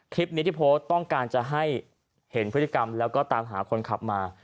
คลิปนี้ที่โพสต์ต้องการจะให้เห็นพฤติกรรมแล้วก็ตามหาคนขับมา